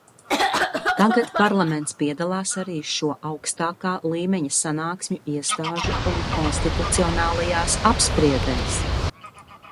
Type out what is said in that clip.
Tagad Parlaments piedalās arī šo augstākā līmeņa sanāksmju iestāžu un konstitucionālajās apspriedēs.